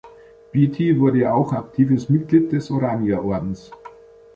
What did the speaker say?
Beattie wurde auch aktives Mitglied des Oranier-Ordens.